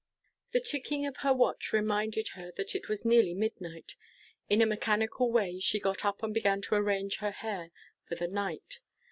The ticking of her watch reminded her that it was nearly midnight. In a mechanical way, she got up and began to arrange her hair for the night.